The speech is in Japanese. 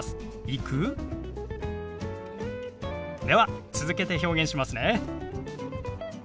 では続けて表現しますね。